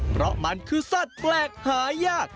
เพราะมันคือสัตว์แปลกหายาก